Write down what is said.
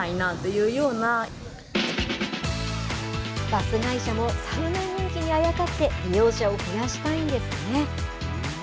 バス会社もサウナ人気にあやかって、利用者を増やしたいんですね。